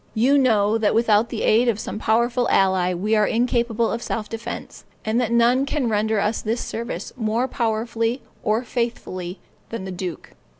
You know, that without the aid of some powerful ally we are incapable of self defense, and that none can render us this service more powerfully or faithfully than the duke.